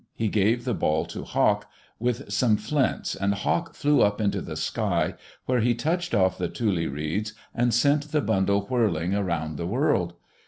He gave the ball to Hawk, with some flints, and Hawk flew up into the sky, where he touched off the tule reeds and sent the bundle whirling around the world.